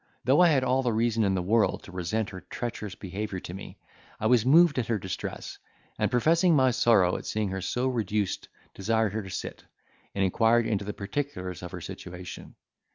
Though I had all the reason in the world to resent her treacherous behaviour to me, I was moved at her distress, and professing my sorrow at seeing her so reduced desired her to sit, and inquired into the particulars of her situation.